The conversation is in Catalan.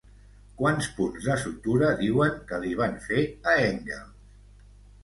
Quants punts de sutura diuen que li van fer a Engels?